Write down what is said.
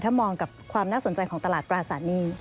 ถ้ามองกับความน่าสนใจของตลาดตราสารหนี้